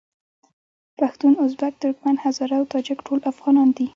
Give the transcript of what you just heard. پښتون، ازبک، ترکمن، هزاره او تاجک ټول افغانان دي.